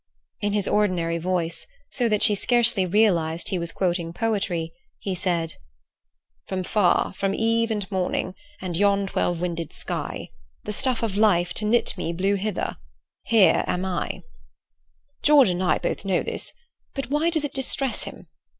In his ordinary voice, so that she scarcely realized he was quoting poetry, he said: "'From far, from eve and morning, And yon twelve winded sky, The stuff of life to knit me Blew hither: here am I' George and I both know this, but why does it distress him?